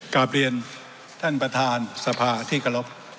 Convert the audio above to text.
กราบเรียนท่านประธานสภาที่กระลบ